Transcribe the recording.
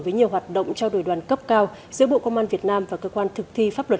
với nhiều hoạt động trao đổi đoàn cấp cao giữa bộ công an việt nam và cơ quan thực thi pháp luật